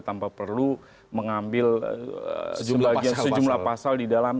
tanpa perlu mengambil sejumlah pasal di dalam